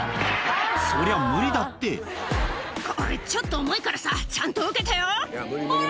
そりゃ無理だって「これちょっと重いからさちゃんと受けてよほれ！」